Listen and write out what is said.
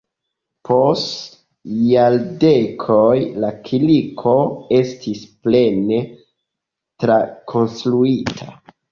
Post jardekoj la kirko estis plene trakonstruita.